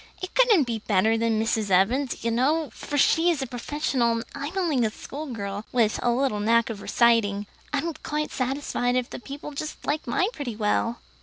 It couldn't be better than Mrs. Evans's, you know, for she is a professional, and I'm only a schoolgirl, with a little knack of reciting. I'm quite satisfied if the people just liked mine pretty well."